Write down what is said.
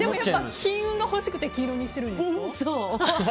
金運が欲しくて黄色にしてるんですか？